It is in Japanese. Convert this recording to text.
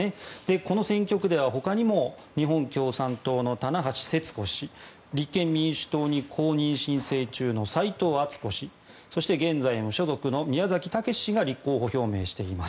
この選挙区ではほかにも日本共産党の店橋世津子氏立憲民主党に公認申請中の齋藤敦子氏そして現在無所属の宮崎岳志氏が立候補表明しています。